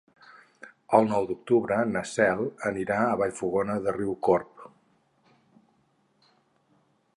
El nou d'octubre na Cel anirà a Vallfogona de Riucorb.